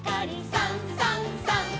「さんさんさん」